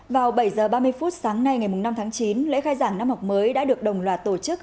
vào bảy h ba mươi phút sáng nay ngày năm tháng chín lễ khai giảng năm học mới đã được đồng loạt tổ chức